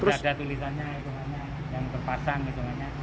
sudah ada tulisannya hitungannya yang terpasang hitungannya